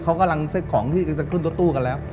เขากำลังเซ็ตของที่จะขึ้นรถตู้กันแล้ว